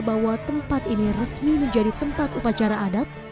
bahwa tempat ini resmi menjadi tempat upacara adat